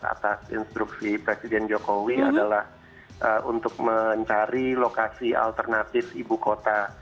atas instruksi presiden jokowi adalah untuk mencari lokasi alternatif ibu kota